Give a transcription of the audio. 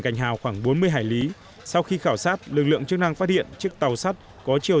cành hào khoảng bốn mươi hải lý sau khi khảo sát lực lượng chức năng phát hiện chiếc tàu sắt có chiều